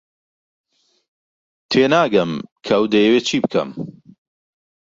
تێناگەم کە ئەو دەیەوێت چی بکەم.